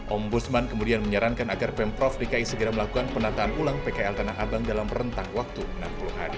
ombudsman kemudian menyarankan agar pemprov dki segera melakukan penataan ulang pkl tanah abang dalam rentang waktu enam puluh hari